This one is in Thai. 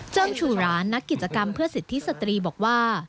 ชูร้านนักกิจกรรมเพื่อสิทธิสตรีบอกว่า